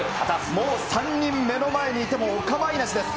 もう３人、目の前にいてもお構いなしです。